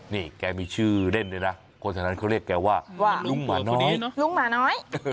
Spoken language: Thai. นี่แกมีชื่อเล่นเลยนะคนที่นั้นเขาเรียกแกว่าลุงหมาน้อย